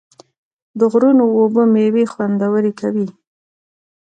د غرونو اوبه میوې خوندورې کوي.